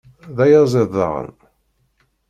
D ayaẓiḍ daɣen?